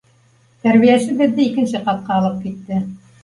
Тәрбиәсе беҙҙе икенсе ҡатҡа алып китте.